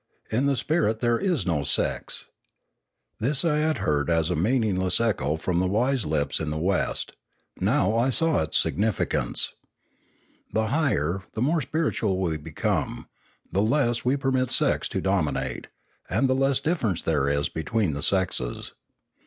In the spirit there is no sex." This I had heard as a meaningless echo from wise lips in the West. Now I saw its significance. The higher, the more spiritual we become, the less we permit sex to dominate, and the less difference there is between the sexes.